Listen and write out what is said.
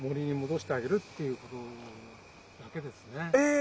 え